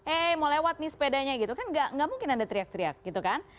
eh mau lewat nih sepedanya gitu kan gak mungkin anda teriak teriak gitu kan